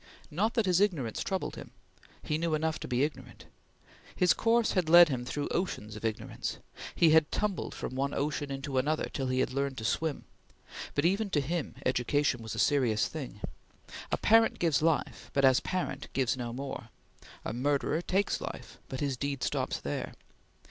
Not that his ignorance troubled him! He knew enough to be ignorant. His course had led him through oceans of ignorance; he had tumbled from one ocean into another till he had learned to swim; but even to him education was a serious thing. A parent gives life, but as parent, gives no more. A murderer takes life, but his deed stops there.